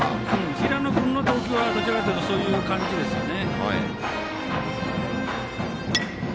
平野君の投球はどちらかというとそういう感じですね。